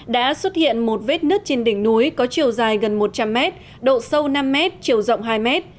đã xuất hiện một vết nứt trên đỉnh núi có chiều dài gần một trăm linh mét độ sâu năm mét chiều rộng hai m